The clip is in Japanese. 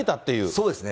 そうですね。